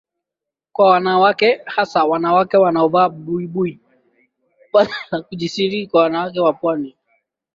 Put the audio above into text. kwa wanawake hasa wanawake wanaovaa baibui vazi la kujisitiri kwa wanawake wa Pwani ya